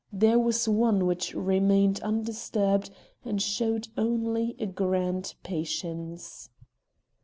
There was one which remained undisturbed and showed only a grand patience.